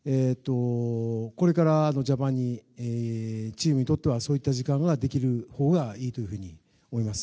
これからのジャパンチームにとってはそういった時間ができるほうがいいと思います。